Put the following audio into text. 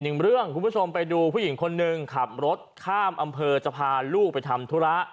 หนึ่งเรื่องคุณผู้ชมไปดูผู้หญิงคนหนึ่งขับรถข้ามอำเภอจะพาลูกไปทำธุระ